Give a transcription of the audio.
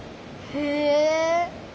へえ。